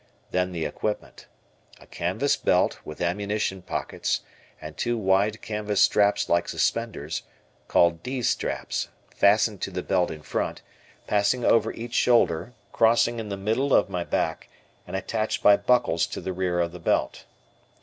Then the equipment: A canvas belt, with ammunition pockets, and two wide canvas straps like suspenders, called "D" straps, fastened to the belt in front, passing over each shoulder, crossing in the middle of my back, and attached by buckles to the rear of the belt.